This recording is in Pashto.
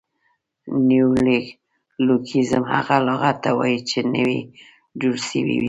نیولوګیزم هغه لغت ته وایي، چي نوي جوړ سوي يي.